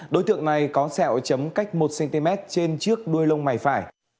đối tượng này có sẹo chấm cách một cm trên trước đuôi lông mày phải